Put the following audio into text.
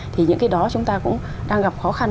thì những cái đó chúng ta cũng đang gặp khó khăn